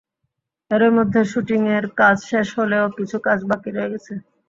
এরই মধ্যে শুটিংয়ের কাজ শেষ হলেও কিছু কাজ বাকি রয়ে গেছে।